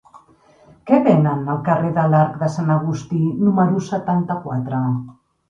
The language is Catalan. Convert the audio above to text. Què venen al carrer de l'Arc de Sant Agustí número setanta-quatre?